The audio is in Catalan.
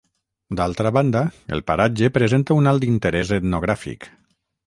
D'altra banda, el paratge presenta un alt interès etnogràfic.